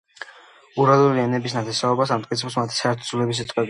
ურალური ენების ნათესაობას ამტკიცებს მათი საერთო ძველი სიტყვების ფენა.